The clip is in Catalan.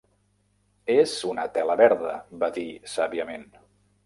"És una tela verda", va dir, sàviament.